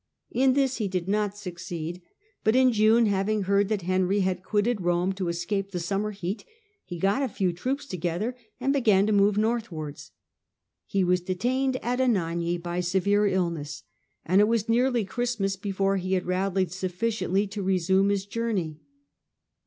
In this he did not succeed ; but in June, having heard that Henry had quitted Rome to escape the summer heat, he got a few troops together, and began to move northwards. He was detained at Anagni by severe illness, and it was nearly Christmas before he had rallied suflSciently to resume his journey.